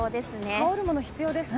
羽織るもの必要ですか？